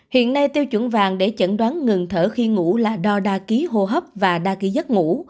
hiện nay tiêu chuẩn vàng để chẩn đoán ngừng thở khi ngủ là đo đa ký hô hấp và đa ký giấc ngủ